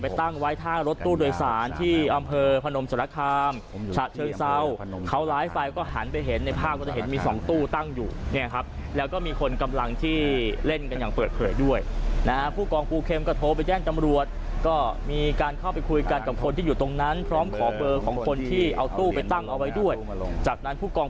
ตั้งไว้ข้างรถตู้โดยสารที่อำเภอพนมสรคามฉะเชิงเซาเขาไลฟ์ไปก็หันไปเห็นในภาพก็จะเห็นมีสองตู้ตั้งอยู่เนี่ยครับแล้วก็มีคนกำลังที่เล่นกันอย่างเปิดเผยด้วยนะฮะผู้กองปูเข็มก็โทรไปแจ้งตำรวจก็มีการเข้าไปคุยกันกับคนที่อยู่ตรงนั้นพร้อมขอเบอร์ของคนที่เอาตู้ไปตั้งเอาไว้ด้วยจากนั้นผู้กอง